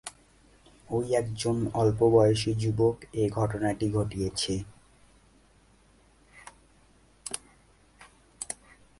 ঐ কয়েকজন অল্প বয়সী যুবক এ ঘটনাটি ঘটিয়েছে।